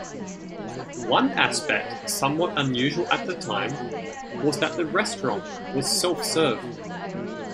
One aspect, somewhat unusual at the time, was that the restaurant was self-serve.